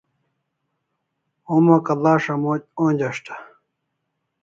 Homa Kalasha moch onjeshta